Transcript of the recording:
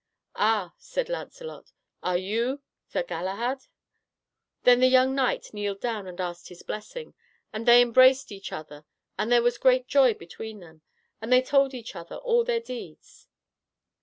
"Ah," said Lancelot, "are you Sir Galahad?" Then the young knight kneeled down and asked his blessing, and they embraced each other, and there was great joy between them, and they told each other all their deeds.